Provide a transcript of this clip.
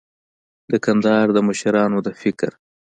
د کندهار د مشرانو د فکر